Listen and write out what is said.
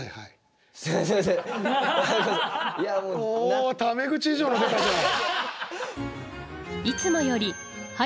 おおタメ口以上の出たじゃない。